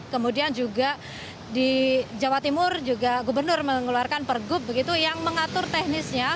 kemudian juga di jawa timur juga gubernur mengeluarkan pergub begitu yang mengatur teknisnya